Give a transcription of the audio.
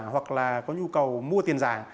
hoặc là có nhu cầu mua tiền giả